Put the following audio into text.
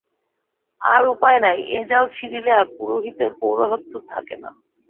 আর উপায় নাই, এ জাল ছিঁড়িলে আর পুরোহিতের পৌরোহিত্য থাকে না।